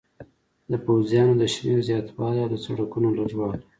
د پوځیانو د شمېر زیاتوالی او د سړکونو لږوالی.